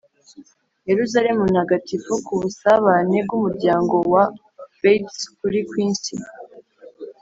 yerusalemu ntagatifu!kubusabane bwumuryango wa bates kuri quincy,